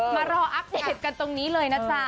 มารออัปเดตกันตรงนี้เลยนะจ๊ะ